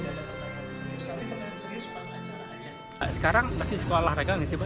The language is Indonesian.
sekarang masih sekolah regang sih bah